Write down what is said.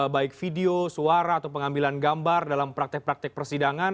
baik video suara atau pengambilan gambar dalam praktek praktek persidangan